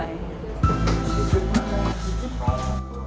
nah kita sudah sampai